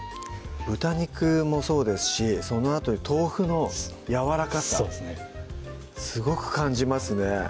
豚肉もそうですしそのあとに豆腐のやわらかさすごく感じますね